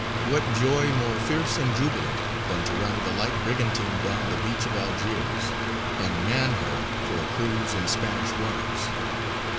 What joy more fierce and jubilant than to run the light brigantine down the beach of Algiers and man her for a cruise in Spanish waters?